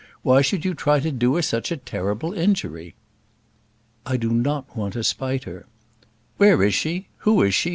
Why should you try to do her such a terrible injury?" "I do not want to spite her." "Where is she? Who is she?